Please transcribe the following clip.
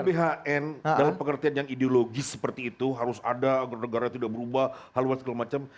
gbhn dalam pengertian yang ideologis seperti itu harus ada agar negara tidak berubah haluan segala macam